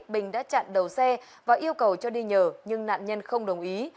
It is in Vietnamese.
bình đã chặn đầu xe và yêu cầu cho đi nhờ nhưng nạn nhân không đồng ý